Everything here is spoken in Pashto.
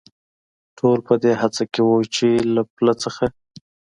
ټول په دې هڅه کې و، چې له پله څخه.